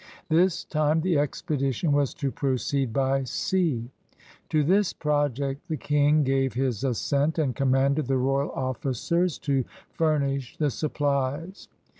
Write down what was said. This time the expedition was to proceed by sea. To this project the King gave his assent, and commanded the royal officers to furnish the sup plies.